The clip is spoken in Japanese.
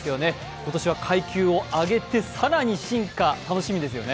今年は階級を上げて更に進化、楽しみですよね。